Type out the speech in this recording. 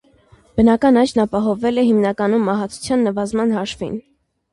Բնական աճն ապահովվել է հիմնականում մահացության նվազման հաշվին։